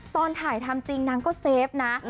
ตอนถ่ายทำจริงนางก็เซฟนะ